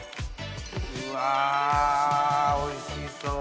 うわおいしそう。